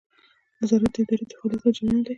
نظارت د ادارې د فعالیت له جریانه دی.